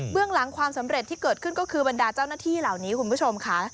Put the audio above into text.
เรื่องหลังความสำเร็จที่เกิดขึ้นก็คือบรรดาเจ้าหน้าที่เหล่านี้คุณผู้ชมค่ะ